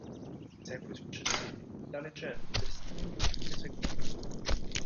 Nei secoli successivi la leggenda delle streghe prese corpo.